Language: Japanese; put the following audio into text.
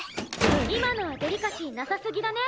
今のはデリカシーなさすぎだね。